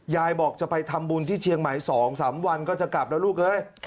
ยายบอกจะไปทำบุญที่เชียงใหม่๒๓วันก็จะกลับแล้วลูกเอ้ย